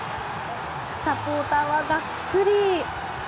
サポーターはがっくり。